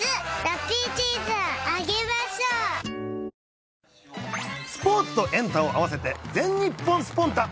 「ビオレ」スポーツとエンタをあわせて、全日本スポンタっ！